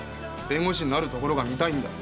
弁護士になるところが見たいんだ。